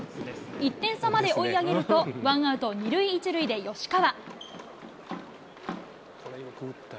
１点差まで追い上げるとワンアウト２塁１塁で吉川。